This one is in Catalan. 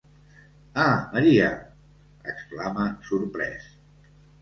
Ah Maria!, exclama sorprès.